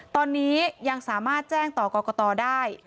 ตอนนี้ยังสามารถแจ้งต่อกรกตได้